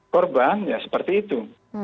korban ya seperti itu